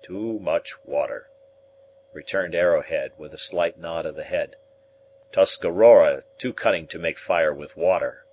"Too much water," returned Arrowhead, with a slight nod of the head; "Tuscarora too cunning to make fire with water!